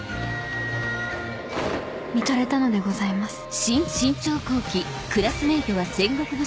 見とれたのでございます